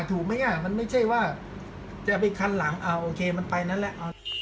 ถูกไหมอ่ะมันไม่ใช่ว่าจะไปคันหลังเอาโอเคมันไปนั่นแหละ